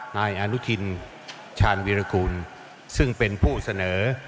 นายอนุทินชาญวิรากูลซึ่งเป็นผู้เสนอ